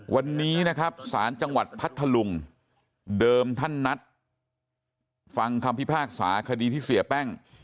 วันนี้นะครับศาลจังหวัดพัทธลุงเดิมท่านนัดฟังคำพิพากษาคดีที่เสียแป้ง